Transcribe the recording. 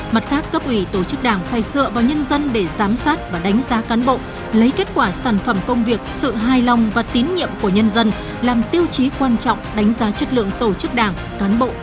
mặt khác cấp ủy tổ chức đảng phải sợ vào nhân dân để giám sát và đánh giá cán bộ lấy kết quả sản phẩm công việc sự hài lòng và tín nhiệm của nhân dân làm tiêu chí quan trọng đánh giá chất lượng tổ chức đảng cán bộ đảng viên